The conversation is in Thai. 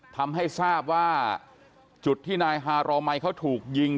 ทำให้ทราบว่าจุดที่นายฮารอมัยเขาถูกยิง